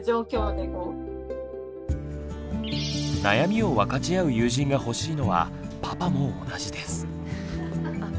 悩みを分かち合う友人が欲しいのはパパも同じです。